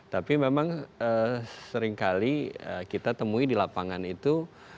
tapi memang seringkali kita temui di lapangan itu